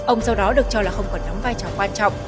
ông sau đó được cho là không còn đóng vai trò quan trọng